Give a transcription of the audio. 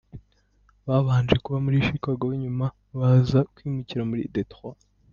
Babanje kuba muri Chicago nyuma baza kwimukira muri Detroit.